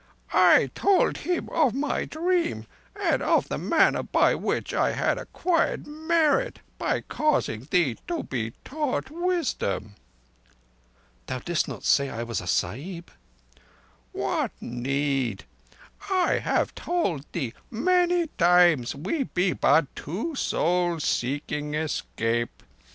I told him of my dream, and of the manner by which I had acquired merit by causing thee to be taught wisdom." "Thou didst not say I was a Sahib?" "What need? I have told thee many times we be but two souls seeking escape.